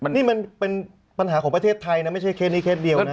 นี่มันเป็นปัญหาของประเทศไทยนะไม่ใช่เคสนี้เคสเดียวนะ